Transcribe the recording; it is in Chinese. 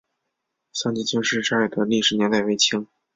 三捷青石寨的历史年代为清。